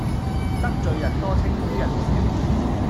得罪人多稱呼人少